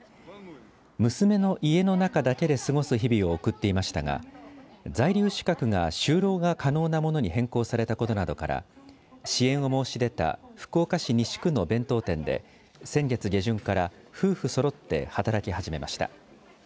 娘の家の中だけで過ごす日々を送っていましたが在留資格が就労が可能なものに変更されたことなどから支援を申し出た福岡市西区の弁当店で先月下旬から夫婦そろって働き始めました。